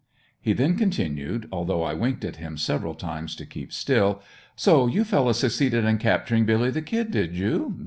He then continued; although I winked at him several times to keep still, "So you fellows succeeded in capturing Billy the Kid, did you?"